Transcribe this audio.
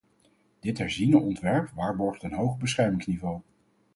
Dit herziene ontwerp waarborgt een hoog beschermingsniveau.